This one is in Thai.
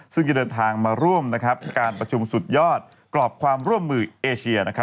ซึ่งจะเดินทางมาร่วมนะครับการประชุมสุดยอดกรอบความร่วมมือเอเชียนะครับ